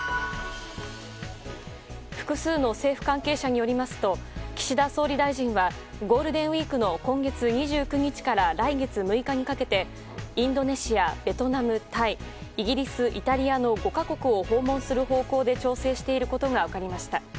複数の政府関係者によりますと岸田総理大臣はゴールデンウィークの今月２９日から来月６日にかけてインドネシア、ベトナム、タイイギリス、イタリアの５か国を訪問する方向で調整していることが分かりました。